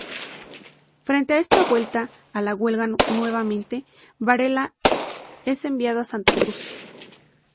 Frente a esta vuelta a la huelga nuevamente Varela es enviado a Santa Cruz.